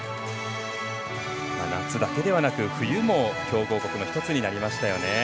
夏だけではなく冬も強豪国の一つになりましたよね。